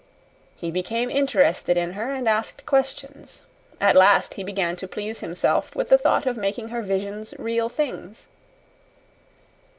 He became interested in her and asked questions. At last he began to please himself with the thought of making her visions real things."